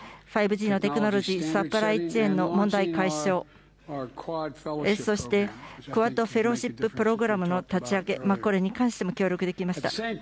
５Ｇのテクノロジー、サプライチェーンの問題解消、そしてクアッドフェローシッププログラムの立ち上げ、これに関しても協力できました。